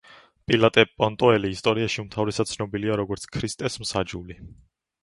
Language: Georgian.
პილატე პონტოელი ისტორიაში უმთავრესად ცნობილია, როგორც ქრისტეს მსაჯული.